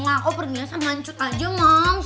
aku pergi sama ancut aja mams